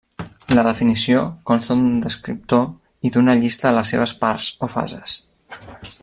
La definició consta d'un descriptor i d'una llista de les seves parts o fases.